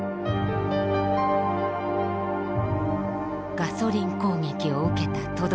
ガソリン攻撃を受けた轟壕。